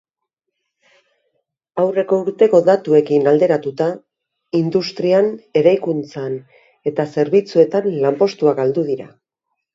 Aurreko urteko datuekin alderatuta, industrian, eraikuntzan eta zerbitzuetan lanpostuak galdu dira.